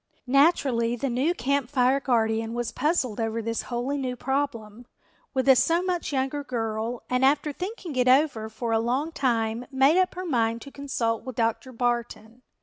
Naturally the new Camp Fire guardian was puzzled over this wholly new problem, with a so much younger girl, and after thinking it over for a long time made up her mind to consult with Dr. Barton.